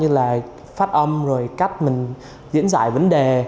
như là phát âm rồi cách mình diễn giải vấn đề